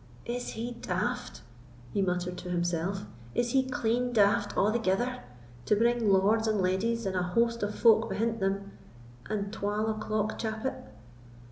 "Is he daft?" he muttered to himself;—"is he clean daft a'thegither, to bring lords and leddies, and a host of folk behint them, and twal o'clock chappit?"